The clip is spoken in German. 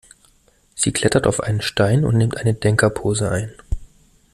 Sie klettert auf einen Stein und nimmt eine Denkerpose ein.